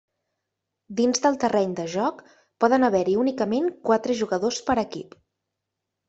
Dins del terreny de joc poden haver-hi únicament quatre jugadors per equip.